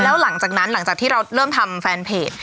แล้วหลังจากนั้นหลังจากที่เราเริ่มทำแฟนเพจ